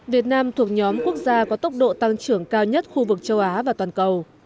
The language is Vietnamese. việt nam thuộc nhóm quốc gia có tốc độ tăng trưởng cao nhất khu vực châu á và toàn cầu